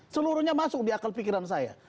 seluruhnya masuk di akal pikiran saya